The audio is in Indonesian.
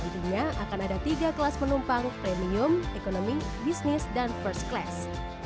intinya akan ada tiga kelas penumpang premium ekonomi bisnis dan first class